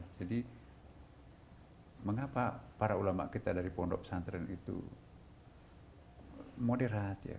jadi mengapa para ulama kita dari pondok santren itu moderat ya